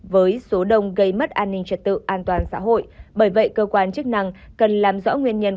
với số đông gây mất an ninh trật tự an toàn xã hội bởi vậy cơ quan chức năng cần làm rõ nguyên nhân